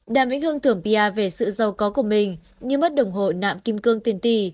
đàm vĩnh hương tưởng pia về sự giàu có của mình như mất đồng hồ nạm kim cương tiền tỷ